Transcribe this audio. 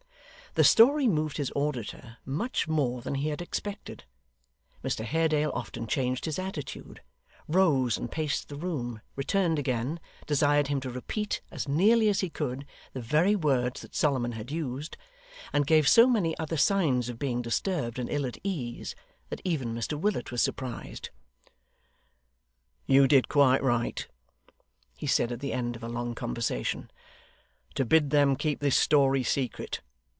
The story moved his auditor much more than he had expected. Mr Haredale often changed his attitude, rose and paced the room, returned again, desired him to repeat, as nearly as he could, the very words that Solomon had used, and gave so many other signs of being disturbed and ill at ease, that even Mr Willet was surprised. 'You did quite right,' he said, at the end of a long conversation, 'to bid them keep this story secret.